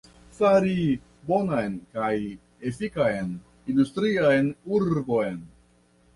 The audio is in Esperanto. La celo estis fari bonan kaj efikan industrian urbon.